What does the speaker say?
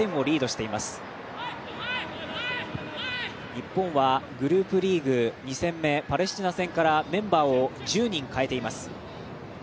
日本は、グループリーグ２戦目パレスチナ戦からメンバーを１０人変えています。